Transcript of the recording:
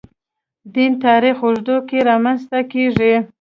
دین تاریخ اوږدو کې رامنځته کېږي.